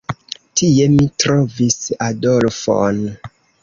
Tie mi trovis Adolfon.